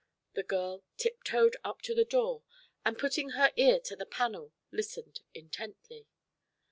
The girl tiptoed up to the door and putting her ear to the panel listened intently.